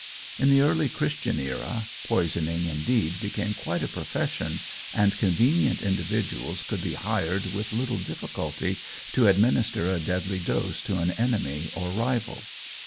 In the early Christian era, poisoning, indeed, became quite a profession, and convenient individuals could be hired with little difficulty to administer a deadly dose to an enemy or rival.